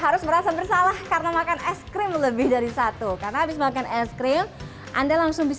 harus merasa bersalah karena makan es krim lebih dari satu karena habis makan es krim anda langsung